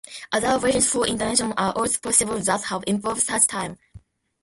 Other variants for insertion are also possible that have improved search time.